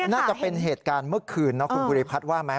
น่าจะเป็นเหตุการณ์เมื่อคืนนะคุณภูริพัฒน์ว่าไหม